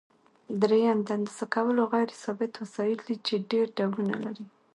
دریم د اندازه کولو غیر ثابت وسایل دي چې ډېر ډولونه لري.